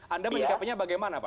anda menikapinya bagaimana pak